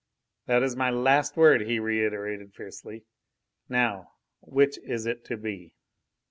That is my last word," he reiterated fiercely. "Now, which is it to be?"